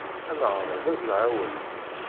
Ad neɛreḍ ad d-nɛawen.